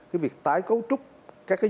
cái việc tái cấu trúc các cái